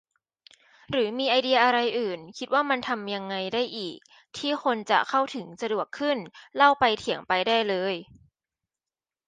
หรือมีไอเดียอะไรอื่น คิดว่ามันทำยังไงได้อีก ที่คนจะเข้าถึงสะดวกขึ้น เล่าไปเถียงไปได้เลย